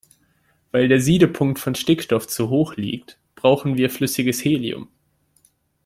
Weil der Siedepunkt von Stickstoff zu hoch liegt, brauchen wir flüssiges Helium.